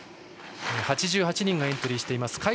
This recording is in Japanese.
８８人がエントリーしています